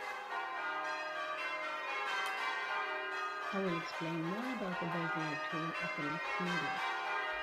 I will explain more about the Bezier tool at the next meeting.